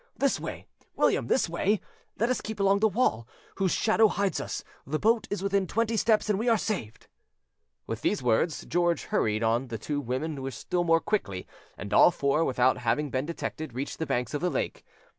This way, William, this way; let us keep along the wall, whose shadow hides us. The boat is within twenty steps, and we are saved." With these words, George hurried on the two women still more quickly, and all four, without having been detected, reached the banks of the lake.